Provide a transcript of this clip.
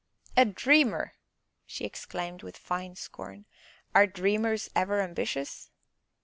"A dreamer!" she exclaimed with fine scorn; "are dreamers ever ambitious?"